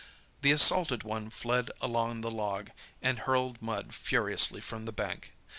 The assaulted one fled along the log, and hurled mud furiously from the bank.